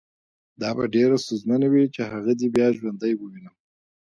دا به ډېره ستونزمنه وي چې هغه دې بیا ژوندی ووینم